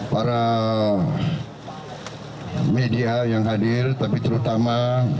para media yang hadir tapi terutama